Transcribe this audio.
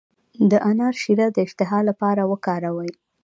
د انار شیره د اشتها لپاره وکاروئ